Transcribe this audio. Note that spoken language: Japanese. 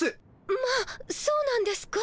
まあそうなんですか。